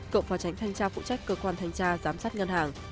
cựu phó tránh thanh tra phụ trách cơ quan thanh tra giám sát ngân hàng